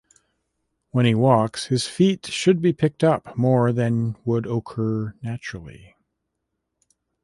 When he walks, his feet should be picked up more than would occur naturally.